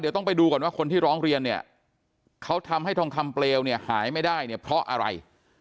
เดี๋ยวต้องไปดูว่าคนที่ร้องเรียนเขาทำให้ทองคำเปลวหายไม่ได้เพราะอะไร